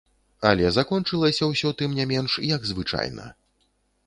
Але закончылася ўсё, тым не менш, як звычайна.